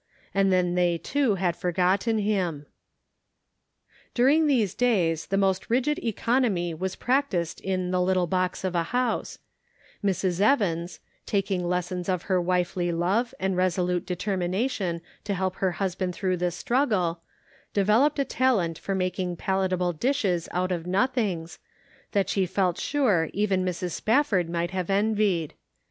And then they, too, had forgotten him. During these days the most rigid economy was practised in the " little box of a house ;" Mrs. Evans, taking lessons of her wifely love and resolute determination to help her husband through this struggle, developed a talent for making palatable dishes out of nothings, that she felt sure even Mrs. Spafford might have envied.